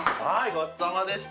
ごちそうさまでした。